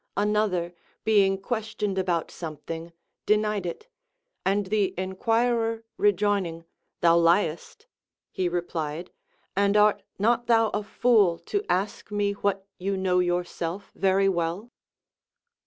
Another, being questioned about something, denied it ; and the enquirer rejoining, Thou liest, he replied: And art not thou a fool to ask me what you know yourself very well